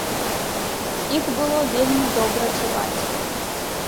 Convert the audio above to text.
Іх было вельмі добра чуваць.